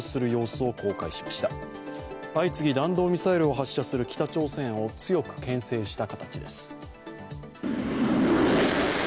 相次ぎ弾道ミサイルを発射する北朝鮮を強くけん制した形です。